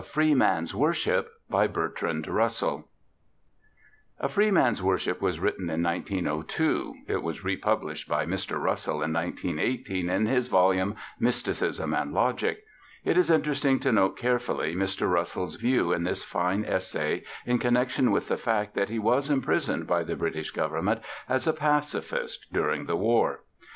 A FREE MAN'S WORSHIP By BERTRAND RUSSELL "A Free Man's Worship" was written in 1902; it was republished by Mr. Russell in 1918 in his volume Mysticism and Logic. It is interesting to note carefully Mr. Russell's views in this fine essay in connection with the fact that he was imprisoned by the British Government as a pacifist during the War.